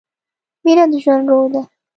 مینه د ژوند روح ده.